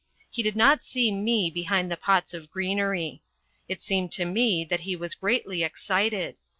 He did not see me behind the pots of greenery. It seemed to me that he was greatly excited.